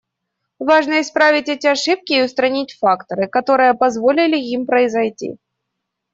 Важно исправить эти ошибки и устранить факторы, которые позволили им произойти.